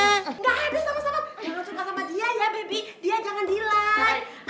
enggak habis sama sama jangan suka sama dia ya bebep dia jangan dilan